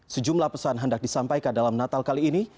sejumlah pesan hendak disampaikan dalam natal kali ini